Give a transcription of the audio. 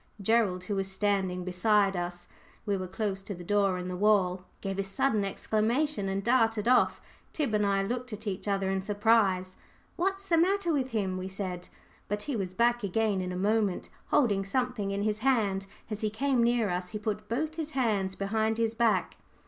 Gerald, who was standing beside us we were close to the door in the wall gave a sudden exclamation and darted off. Tib and I looked at each other in surprise. "What's the matter with him?" we said. But he was back again in a moment, holding something in his hand. As he came near us he put both his hands behind his back.